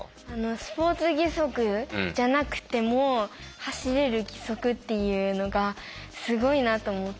スポーツ義足じゃなくても走れる義足っていうのがすごいなと思って。